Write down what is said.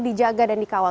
dijaga dan dikawal